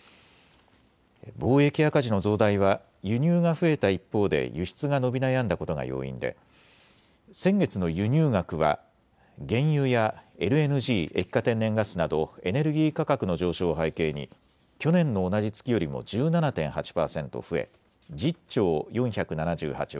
貿易赤字の増大は輸入が増えた一方で輸出が伸び悩んだことが要因で先月の輸入額は原油やＬＮＧ・液化天然ガスなどエネルギー価格の上昇を背景に去年の同じ月よりも１７．８％増え１０兆４７８億